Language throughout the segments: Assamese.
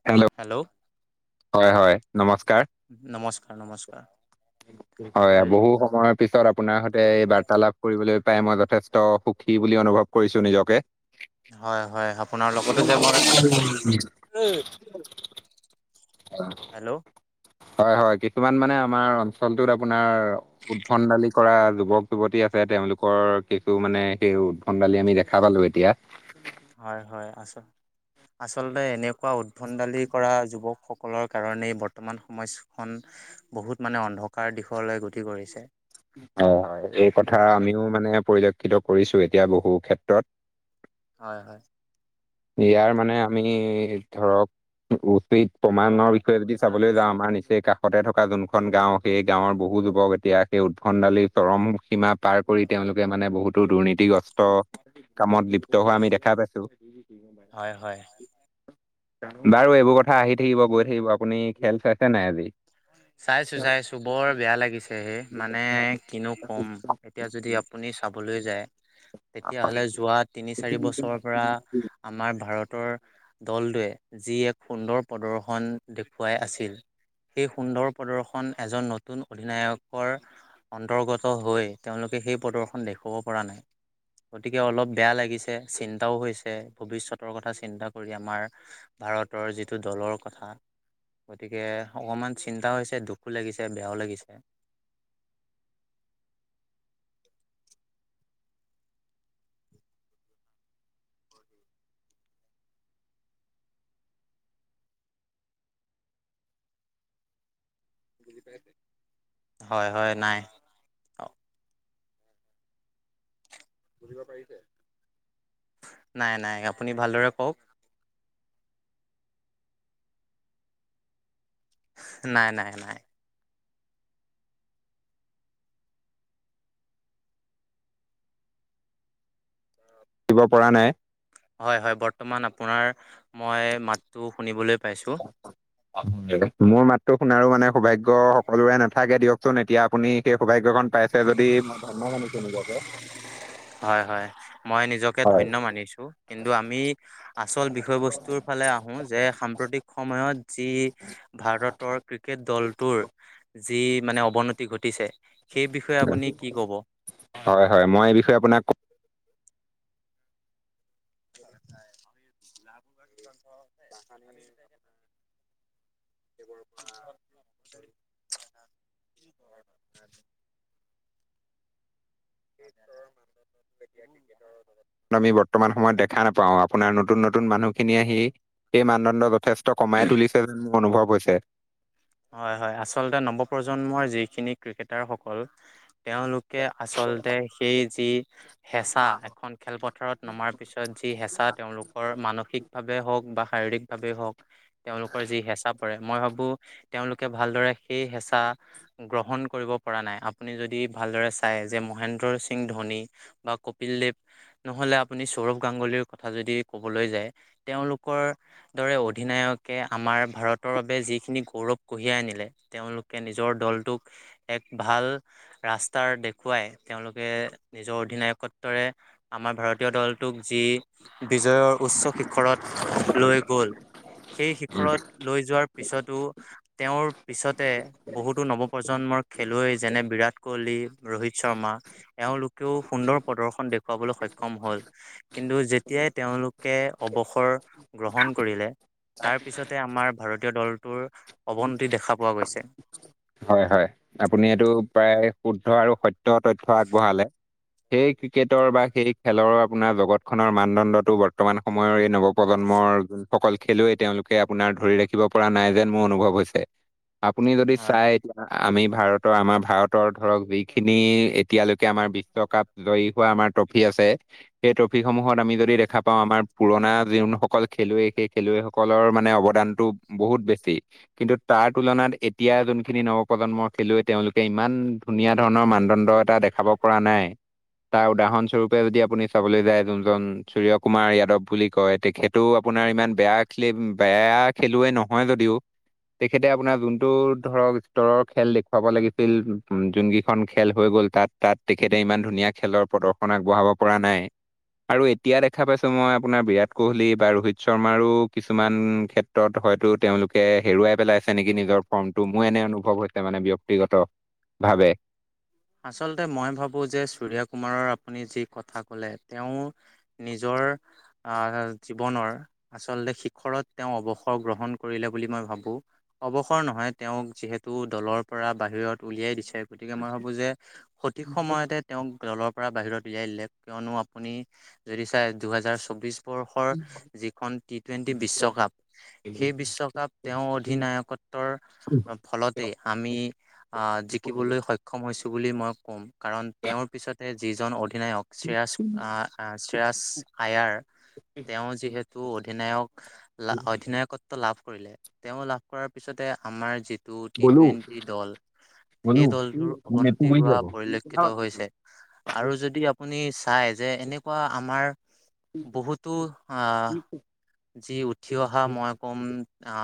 হেল্ল হেল্ল' হয় হয় নমস্কাৰ নমস্কাৰ নমস্কাৰ হয় হেৰি বহু সময়ত পিছত আপোনাৰ সৈতে এই বাৰ্তালাপ কৰিবলৈ পাই মই যথেষ্ট সুখী বুলি অনুভৱ কৰিছো নিজকে হয় হয় আপোনাৰ লগতে যে মই ঐ অ হেল্ল' হয় হয় কিছুমান মানে আমাৰ অঞ্চলটোত আপোনাৰ উদ্ভণ্ডালি কৰা যুৱক যুৱতী আছে তেওঁলোকৰ কিছু মানে সেই উদ্ভণ্ডালি আমি দেখা পালো এতিয়া হয় হয় আচ আচলতে এনেকুৱা উদ্ভণ্ডালি কৰা যুৱকসক সকলৰ কাৰণেই বৰ্তমান সমাজখন বহুত মানে অন্ধকাৰ দিশলৈ গতি কৰিছে হয় হয় এই কথা আমিও মানে পৰিলক্ষিত কৰিছো এতিয়া বহু ক্ষেত্ৰত হয় হয় ইয়াৰ মানে আমি ধৰক উপিত প্ৰমাণৰ বিষয়ে যদি চাবলৈ যাওঁ আমাৰ নিচেই কাষতে থকাজন খন গাঁও সেই গাঁৱৰ বহু যুৱক এতিয়া সেই উদ্ভণ্ডালি চৰম সীমা পাৰ কৰি তেওঁলোকে মানে বহুতো দুৰ্নীতিগ্ৰস্ত কামত লিপ্ত হোৱা আমি দেখা পাইছো হয়, হয়, বাৰু এইবোৰ কথা আহি থাকিব গৈ থাকিব আপুনি খেল চাইছে নাই আজি চাইছো-চাইছো বৰ বেয়া লাগিছে হেই মানে কিনো কম এতিয়া যদি আপুনি চাবলৈ যায় তেতিয়া হ'লে যোৱা তিনি চাৰি বছৰৰ পৰা। আমাৰ ভাৰতৰ দলটোৱে যি এক সুন্দৰ প্ৰদৰ্শন দেখুৱাই আছিল। সেই সুন্দৰ প্ৰদৰ্শন এজন নতুন অধিনায়কৰ। অন্তৰ্গত হৈ তেওঁলোকে সেই প্ৰদৰ্শন দেখুৱাব পৰা নাই। গতিকে অলপ বেয়া লাগিছে চিন্তাও হৈছে ভৱিষ্যতৰ কথা চিন্তা কৰি আমাৰ। ভাৰতৰ যিটো দলৰ কথা গতিকে। অকণমান চিন্তাও হৈছে দুখো লাগিছে বেয়াও লাগিছে। হয়, হয়, নাই। নাই-নাই আপুনি ভালদৰে কওক। নাই, নাই, নাই। দিব পৰা নাই। হয়-হয় বৰ্তমান আপোনাৰ মই মাতটো শুনিবলৈ পাইছো। [unintelligible] মোৰ মাতটো শুনাৰো মানে সৌভাগ্য সকলোৰে নাথাকে দিয়কচোন এতিয়া আপুনি সেই সৌভাগ্যয়খন। পাইছে যদি মই ধন্য মানিছো নিজকে। হয়-হয় মই নিজকে হয় ধন্য মানিছো। কিন্তু আমি আচল বিষয়বস্তুৰ ফালে আহো যে সাম্প্ৰতিক সময়ত যি। ভাৰতৰ ক্ৰিকেট দলটোৰ যি মানে অৱনতি ঘটিছে। সেই বিষয়ে আপুনি কি ক'ব হয়-হয় মই এই বিষয়ে আপোনাক--ক। হয় হয় আমি ভাৰতবাসী সকলক আমি। এইবোৰৰ পৰা। ব্যক্তিৰ মানুহ বৈজ্ঞানিক হতৰ মাজত। আমি বৰ্তমান সময়ত দেখা নাপাওঁ আপোনাৰ নতুন-নতুন মানুহখিনিয়ে আহি। এই মানদণ্ড যথেষ্ট কমাই তুলিছে যে, মোৰ অনুভৱ হৈছে। হয়-হয় আচলতে নৱপজন্মৰ যিখিনি ক্ৰিকেটাৰসকল। তেওঁলোকে আচলতে সেই যি হেচা এখন। খেলপথাৰত নমাৰ পিছত যি হেঁচা তেওঁলোকৰ মানসিকভাৱে হওক বা শাৰীৰিক ভাৱে হওক। তেওঁলোকৰ যি হেঁচা পৰে মই ভাবো তেওঁলোকে ভালদৰে সেই হেঁচা। গ্ৰহণ কৰিব পৰা নাই আপুনি যদি ভালদৰে চায় যে মহেন্দ। ৰ সিং ধনী বা কপিল দেৱ। নহ'লে আপুনি সৌৰভ গাংগুলীৰ কথা যদি কবলৈ যায় তেওঁলোকৰ। দৰে অধিনায়কে আমাৰ ভাৰতৰ বাবে যিখিনি গৌৰৱ কঢ়িয়াই আনিলে। তেওঁলোকে নিজৰ দলটোক এক ভাল ৰাস্তাৰ দেখুৱাই। তেওঁলোকে নিজৰ অধিনায়কত্বৰে আমাৰ ভাৰতীয় দলটোক যি বিজয়ৰ। উচ্চ শিক্ষণৰ। [inaudible] সেই উম, শিখৰত লৈ যোৱাৰ পিছতো তেওঁৰ পিছতে। বহুতো নৱপ্ৰজন্মৰ খেলুৱৈ যেনে বিৰাট কোহলি ৰোহিত শৰ্মা। এওঁলোকেও সুন্দৰ প্ৰদৰ্শন দেখুৱাবলৈ সক্ষম হ'ল। কিন্তু যেতিয়াই তেওঁলোকে অৱসৰ গ্ৰহণ কৰিলে। তাৰ পিছতে আমাৰ ভাৰতীয় দলটোৰ অৱনতি দেখা পোৱা গৈছে। হয়-হয় আপুনি এইটো প্ৰায় শুদ্ধ আৰু সত্য তথ্য আগবঢ়ালে। সেই ক্ৰিকেটৰ বা সেই খেলৰ আপোনাৰ জগত খনৰ মানদণ্ডটো বৰ্তমান। সময়ৰ এই নৱপ্ৰজন্মৰ যোন সকল খেলুৱৈ তেওঁলোকে আপোনাৰ ধৰি ৰাখিব পৰা নাই যেন মোৰ অনুভৱ হৈছে। আপুনি যদি হয়। চাই। আমি ভাৰতৰ আমাৰ ভাৰতৰ ধৰক যিখিনি এতিয়ালৈকে আমাৰ বিশ্বকাপ জয়ী হোৱা আমাৰ ট্ৰফি আছে সেই ট্ৰফিসমূহত আমি যদি দেখা পাওঁ আমাৰ পুৰণা যোনসকল খেলুৱৈ সেই খেলুৱৈ সকলৰ মানে অৱদানতটো বহুত বেছি কিন্তু তাৰ তুলনাত এতিয়া যোনখিনি নৱপ্ৰজন্মৰ খেলুৱৈ তেওঁলোকে ইমান ধুনীয়া ধৰণৰ মানদণ্ড এটা দেখাব পৰা নাই। তাৰ উদাহৰণ স্বৰূপে যদি আপুনি চাবলৈ যায় যোনজন সূৰ্য কুমাৰ য়াদৱ বুলি কয় তেখেত টো আপোনাৰ ইমান বেয়া খে বেয়া খেলুৱৈ নহয় যদিও তেখেতে আপোনাৰ যোন তো ধৰক স্তৰৰ খেল দেখুৱাব লাগিছিল যোন কেইখন খেল হৈ গ'ল তাত তাত তেখেতে ইমান ধুনীয়া খেলৰ প্ৰদৰ্শন আগবঢ়াব পৰা নাই। আৰু এতিয়া দেখা পাইছো মই আপোনাৰ বিৰাট কোহলি বা ৰোহিত শৰ্মাৰো কিছুমান খে ত্ৰত হয়তো তেওঁলোকে হেৰুৱাই পেলাইছে নেকি নিজৰ কৰ্মটো, মোৰ এনে অনুভৱ হৈছে মানে ব্যক্তিগত ভাৱে। আচলতে মই ভাবোঁ যে সূৰ্য কুমাৰৰ আপুনি যি কথা ক'লে তেওঁ নিজৰ আ জীৱনৰ আচলতে শিখৰত তেওঁ অৱসৰ গ্ৰহণ কৰিলে বুলি মই ভাবোঁ। অৱসৰ নহয় তেওঁক যিহেতু দলৰ পৰা বাহিৰত উলিয়াই দিছে গতিকে মই ভাবো যে সঠিক সময়তে তেওঁক দলৰ পৰা বাহিৰত উলিয়াই দিলে, কিয়নো আপুনি যদি চাই দুহেজাৰ চৌবিশ বৰ্ষৰ যিখন টি টুৱেণ্টি বিশ্বকাপ সেই বিশ্বকাপ তেওঁ অধিনায়কত্বৰ ফলতে আমি আহ জিকিবলৈ সক্ষম সক্ষম হৈছোঁ বুলি মই ক'ম, কাৰণ তেওঁৰ পিছতে যিজন অধিনায়ক চিৰাজ আ চিৰাজ আয়াৰ তেওঁ যিহেতু অধিনায়ক অধিনায়কত্ব লাভ কৰিলে, তেওঁ লাভ কৰাৰ পিছতে আমাৰ যি টো টি গ'লো টুৱেন্টি দল গ'লো সেই দলটোৰ নেটটো অৱন্তি উৰি হোৱা যাব পৰিলক্ষিত হৈছে আৰু যদি আপ আপুনি চাই যে এনেকুৱা আমাৰ বহুতো আ যি উঠি অহা মই ক'ম আ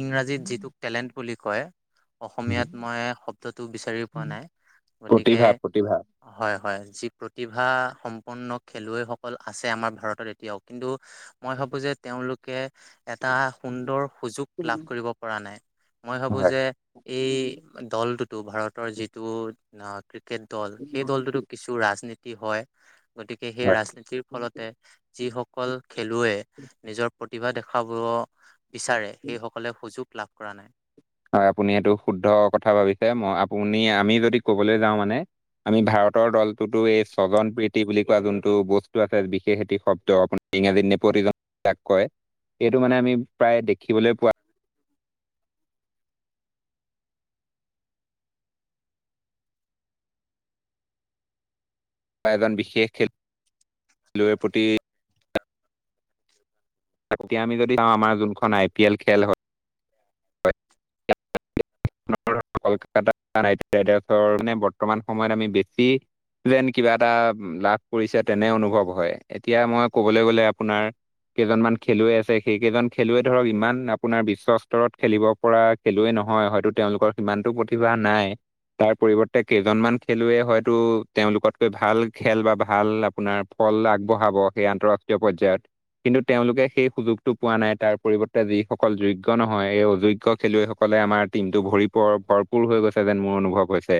ইংৰাজীত যিটো টেলেণ্ট বুলি কয়। অসমীয়াত মই শব্দটো বিচাৰি পোৱা নাই গতিকে প্ৰতিভা প্ৰতিভা হয় হয় যি প্ৰতিভা সম্পন্ন খেলুৱৈসকল আছে আমাৰ ভাৰতত এতিয়াও কিন্তু মই ভাবো যে তেওঁলোকে এটা সুন্দৰ সুযোগ লাভ কৰিব পৰা নাই। মই ভাবো হয় যে এই দলটোতো ভাৰতৰ যিটো ক্ৰিকেট দল সেই দলটোতো কিছু ৰাজনীতি হয়। গতিকে সেই হয় ৰাজনীতিৰ ফলতে যিসকল খেলুৱৈ নিজৰ প্ৰতিভা দেখাব বিচাৰে সেই সকলে সুযোগ লাভ কৰা নাই। হয় আপুনি এইটো শুদ্ধ কথা ভাবিছে, মই আপুনি আমি যদি ক'বলৈ যাওঁ মানে আমি ভাৰতৰ দলটোতো এই স্বজন প্ৰীতি বুলি কোৱা যোনটো বস্তু আছে বিশেষ এটি শব্দ আপোনাৰ ইংৰাজীত নেপতিজম যাক কয়, এইটো মানে আমি প্ৰায় দেখিবলৈ পোৱা এজন বিশেষ খেল খেলুৱৈৰ প্ৰতি [inaudible] তেতিয়া আমি যদি আমাৰ যোনখন আই পি এল খেল হয় [unintelligible] মানে বৰ্তমান সময়ত আমি বেছি যেন কিবা এটা লাভ কৰিছে তেনে অনুভৱ হয়। এতিয়া মই ক'বলৈ গ'লে আপোনাৰ কেইজনমান খেলুৱৈ আছে সেই কেইজন খেলুৱৈ ধৰক ইমান আপোনাৰ বিশ্ব স্তৰত খেলিব পৰা খেলুৱৈ নহয়, হয়তো তেওঁলোকৰ সিমানটো প্ৰতিভা নাই। তাৰ পৰিৱৰ্তে কেইজনমান খেলুৱৈ হয়তো তেওঁলোকত কৈ ভাল খেল বা ভাল আপোনাৰ ফল আগবঢ়াব সেই আন্তঃৰাষ্ট্ৰীয় পৰ্যায়ত। কিন্তু তেওঁলোকে সেই সুযোগতটো পোৱা নাই তাৰ পৰিৱৰ্তে যিসকল যোগ্য নহয় এই অযোগ্য খেলুৱৈসকলে আমাৰ টিমটো ভৰি পৰ ভৰপূৰ হৈ গৈছে যেন মোৰ অনুভৱ হৈছে।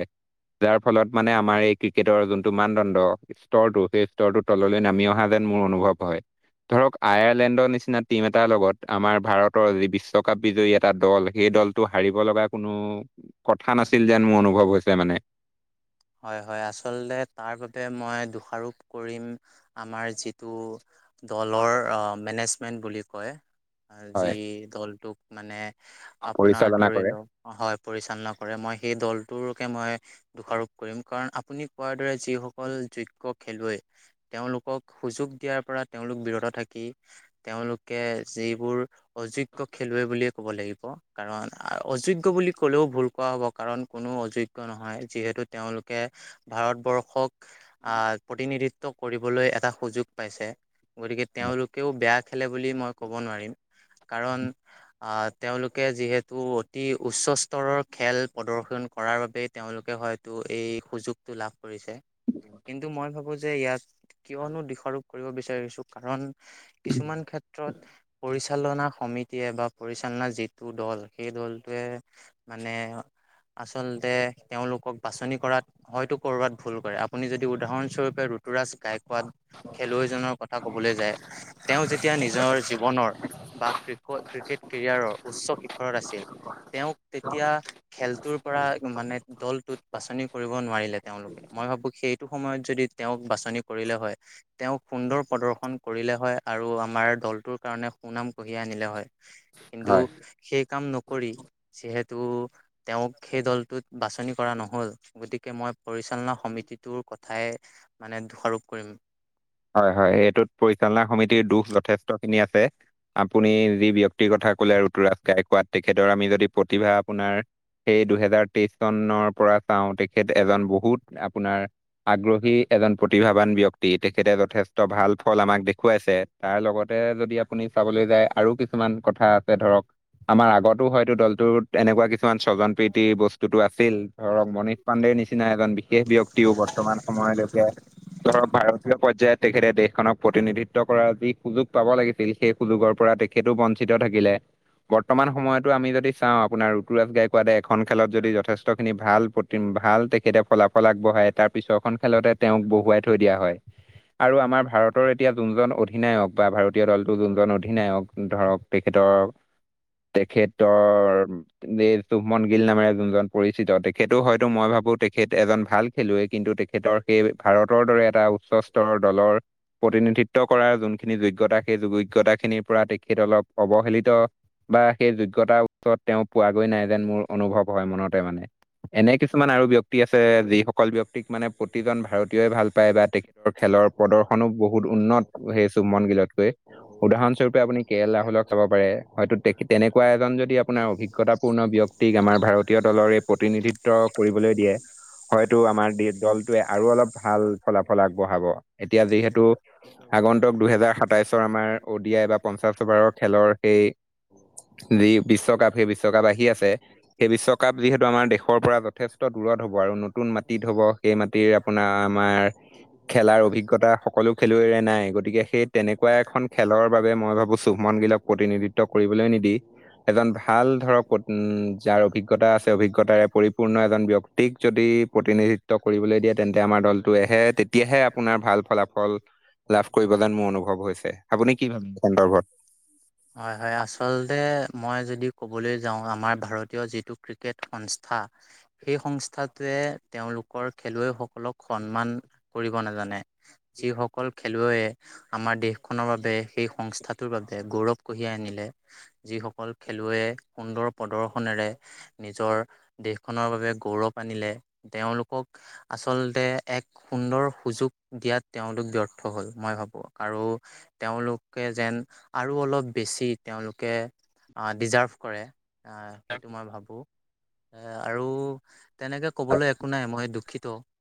যাৰ ফলত মানে আমাৰ এইক ক্ৰিকেটৰ যোনটো মানদণ্ড, স্তৰটো সেই স্তৰটোৰ তললৈ নামি অহা যেন মোৰ অনুভৱ হয়। ধৰক আয়াৰলেণ্ডৰ নিচিনা টিম এটাৰ লগত আমাৰ ভাৰতৰ যি বিশ্বকাপ বিজয়ী এটা দল। সেই দলটো হাৰিব ল'গা কোনো কথা নাছিল যেন মোৰ অনুভৱ হৈছে মানে। হয় হয় আচলতে তাৰ বাবে মই দোষাৰোপ কৰিম আমাৰ যিটো, দলৰ অ' মেনেজমেন্ট বুলি কয় যি হয় দলটোক মানে আপোনাৰ পৰিচালনা ধৰি কৰে লওঁক হয় পৰিচালনা কৰে মই সেই দলটোৰকে মই দোষাৰোপ কৰিম কাৰণ আপুনি কোৱাৰ দৰে যিসকল যোগ্য খেলুৱৈ তেওঁলোকক সুযোগ দিয়াৰ পৰা তেওঁলোক বিৰত থাকি তেওঁলোকে যিবোৰ অযোগ্য খেলুৱৈ বুলিয়ে ক'ব লাগিব। কাৰণ আ অযোগ্য বুলি ক'লেও ভুল কোৱা হ'ব কাৰণ কোনো অযোগ্য নহয় যিহেতু তেওঁলোকে ভাৰতবৰ্ষক এ প্ৰতিনিধিত্ব ত' কৰিবলৈ এটা সুযোগ পাইছে, গতিকে তেওঁলোকেও বেয়া খেলে বুলি মই ক'ব নোৱাৰিম, কাৰণ আঁ তেওঁলোকে যিহেতু অতি উচ্চ স্তৰৰ খেল প্ৰদৰ্শন কৰাৰ বাবেই তেওঁলোকে হয় ত' এই সুযোগটো লাভ কৰিছে, কিন্তু মই ভাবো যে ইয়াত কিয়নো দিশৰূপ কৰিব বিচাৰিছো কাৰণ কিছুমান ক্ষেত্ৰত পৰিচালনা সমিতিয়ে বা পৰিচালনা যিটো দ'ল সেই দ'লটোৱে মানে আচলতে তেওঁলোকক বাছনি কৰাত হয়তো ক'ৰবাত ভুল কৰে। আপুনি যদি উদাহৰণস্বৰূপে ৰুতুৰাজ গাই কোৱাত খেলুৱৈজনৰ কথা কবলৈ যায়। তেওঁ যেতিয়া নিজৰ জীৱনৰ বা ক্ৰিক ক্ৰিকেট কেৰিয়াৰৰ উচ্চ শিখৰত আছিল। তেওঁক তেতিয়া খেলটোৰ পৰা এ মানে দলটোত বাছনি কৰিব নোৱাৰিলে তেওঁলোকে, মই ভাবোঁ সেইটো সময়ত যদি তেওঁক বাছনি কৰিলে হয় তেওঁক সুন্দৰ প্ৰদৰ্শন কৰিলে হয় আৰু আমাৰ দলটোৰ কাৰণে সুনাম কঢ়িয়াই আনিলে হয়। কিন্তু, হয় সেই কাম নকৰি, যিহেতু তেওঁক সেই দলটোত বাছনি কৰা নহ হ'ল গতিকে মই পৰিচালনা সমিতিটোৰ কথাই মানে দোষাৰোপ কৰিম। হয় হয় এইটোত পৰিচালনা সমিতিৰ দুখ যথেষ্ট খিনি আছে। আপুনি যি ব্যক্তিৰ কথা ক'লে ৰুতুৰাজ কাই কোৱাত তেখেতৰ আমি যদি প্ৰতিভা আপোনাৰ সেই দুহেজাৰ তেইশ চনৰ পৰা চাওঁ তেখেত এজন বহুত আপোনাৰ আগ্ৰহী, এজন প্ৰতিভাৱান ব্যক্তি তে তেতিয়া যথেষ্ট ভাল ফল আমাক দেখুৱাইছে, তাৰ লগতে যদি আপুনি চাবলৈ যায় আৰু কিছুমান কথা তে ধৰক। আমাৰ আগতো হয়তো দলটোত এনেকুৱা কিছুমান স্বজন প্ৰীতিৰ বস্তুতো আছিল। ধৰক মণিক পাণ্ডে নিচিনা এজন বিশেষ ব্যক্তি ওপৰত বৰ্তমান সময়লৈকে ধৰ ভাৰত পৰ্যায়ত তেখেতে দেশখনক প্ৰতিনিধিত্ব কৰা যি সুযোগ পাব লাগিছিল সেই সুযোগৰ পৰা তেখ তেখেটো বঞ্চিত থাকিলে। বৰ্তমান সময়তো আমি যদি চাওঁ, আপোনাৰ ৰুতুৰাজ কাই কোৱা দে এখন খেলত যদি যথেষ্টখিনি ভাল প ভাল তেখেতে ফলাফল আগবঢ়াই তাৰ পিছৰখন খেলতে তেওঁক বহুৱাই থৈ দিয়া হয়। আৰু আমাৰ ভাৰতৰ এতিয়া যোনজন অধিনায়ক বা ভাৰতীয় দলটো যোনজন অধিনায়ক ধৰক তেখেতৰ তেখেতৰ চুভমন গিল নামেৰে যোনজন পৰিচিত তেখেতো হয়তো মই ভাবো তেখেত এজন ভাল খেলুৱৈ কিন্তু তেখেতৰ সেই ভাৰতৰ দৰে এটা উচ্চ স্তৰৰ দলৰ প্ৰতিনিধিত্ব কৰাৰ যোনখিনি যোগ্যতা সেই যোগ্যতাখিনিৰ পৰা তেখেত অলপ অৱহেলিত বা সেই যোগ্যতাৰ ওচৰত তেওঁ পোৱাগৈ নাই যেন মোৰ অনুভৱ হয় মনতে মানে এনে কিছুমান আৰু ব্যক্তি আছে যিসকল ব্যক্তিক মানে প্ৰতিজন ভাৰতীয়ই ভাল পায় বা তেখ খেলৰ প্ৰদৰ্শনো বহুত উন্নত হৈ চোমন গিলতকৈ উদাহৰণস্বৰূপে, আপুনি কেৰেলা হ'লে চাব পাৰে, হয়তো তে তেনেকুৱা এজন যদি আপোনাৰ অভিজ্ঞতাপূৰ্ণ ব্যক্তি ঠিক আমাৰ ভাৰতীয় দলৰ এই প্ৰতিনিধিত্ব কৰিবলৈ দিয়ে, হয়তো আমাৰ দলটোৱে আৰু অলপ ভাল ফলাফল আগবঢ়াব। আগবঢ়াব এতিয়া যিহেতু আগন্তক দুহেজাৰ সাতাইছৰ আমাৰ অ'ডি আই বা পঞ্চাছ অভাৰৰ খেলৰ, সেই যি বিশ্বকাপ, সেই বিশ্বকাপ আহি আছে। সেই বিশ্বকাপ যিহেতু আমাৰ দেশৰ পৰা যথেষ্ট দূৰত হ'ব, আৰু নতুন মাটিত হ'ব। সেই মাটিৰ আপোনাৰ আমাৰ খেলাৰ অভিজ্ঞতা সকলো খেলুৱৈৰে নাই, গতিকে সেই তেনেকুৱা এখন খেলৰ বাবে, মই ভাবো, চুভমন গীলক প্ৰতিনিধিত্ব কৰিবলৈ নিদি এজন ভাল, ধৰক, উম, যাৰ অভিজ্ঞতা আছে, অভিজ্ঞতাৰে পৰিপূৰ্ণ এজন ব্যক্তি। [unintelligible] যদি প্ৰতিনিধিত্ব কৰিবলৈ দিয়ে তেন্তে আমাৰ দলটোৱেহে তেতিয়াহে আপোনাৰ ভাল ফলাফল লাভ কৰিব যেন মোৰ আপোনাৰ অনুভৱ হৈছে। আপুনি কি ভাবিছে, সন্দৰ্ভত? হয়, হয়, আচলতে মই যদি ক'বলৈ যাওঁ, আমাৰ ভাৰতীয় যিটো ক্ৰিকেট সংস্থা সেই সংস্থাটোৱে তেওঁলোকৰ খেলুৱৈসকলক সন্মান কৰিব নাজানে। যিসকল খেলুৱৈয়ে আমাৰ দেশখনৰ বাবে, সেই সংস্থাটোৰ বাবে গৌৰৱ কঢ়িয়াই আনিলে, যিসকল খেলুৱৈয়ে সুন্দৰ প্ৰদৰ্শনেৰে নিজৰ দেশখনৰ বাবে গৌৰৱ আনিলে, তেওঁলোকক আচলতে এক সুন্দৰ সুযোগ দিয়াত তেওঁলোক ব্যৰ্থ হ'ল, মই ভাবোঁ, আৰু তেওঁলোকে যেন আৰু অলপ বেছি তেওঁলোকে ডিজাৰ্ভ কৰে, সেইটো মই ভাবোঁ। এ আৰু তেনেকে কবলৈ একো নাই, মই দুখিত।